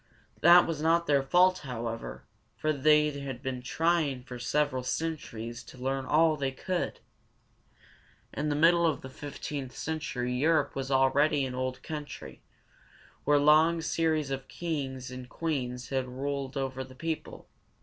That was not their fault, however, for they had been trying for several centuries to learn all they could. In the middle of the fifteenth century Europe was already an old country, where long series of kings and queens had ruled over the people.